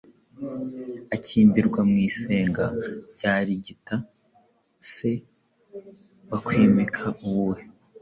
Akimbirwa mu isenga, Yarigita se bakwimika uwuhe ?